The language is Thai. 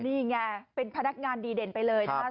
นี่ไงเป็นพนักงานดีเด่นไปเลยนะครับ